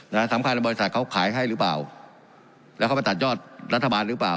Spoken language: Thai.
สำคัญบริษัทเขาขายให้หรือเปล่าแล้วเขามาตัดยอดรัฐบาลหรือเปล่า